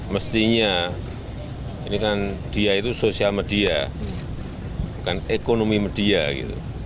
mestinya ini kan dia itu sosial media bukan ekonomi media gitu